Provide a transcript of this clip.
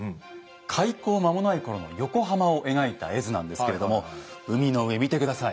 開港間もない頃の横浜を描いた絵図なんですけれども海の上見て下さい。